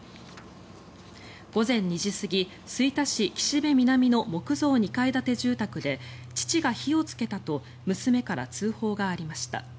午前２時過ぎ、吹田市岸部南の木造２階建て住宅で父が火をつけたと娘から通報がありました。